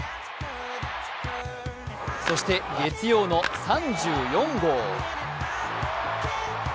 そして月曜の３４号。